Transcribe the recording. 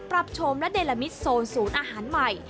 ปรับโชมและโดยละมิดโซนศูนย์อาหารใหม่